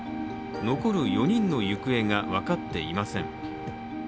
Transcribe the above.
残る４人の行方が分かっていません。